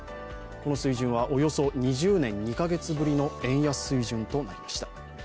この水準はおよそ２０年２カ月ぶりの円安水準となりました。